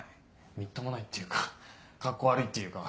みっともないっていうかカッコ悪いっていうか。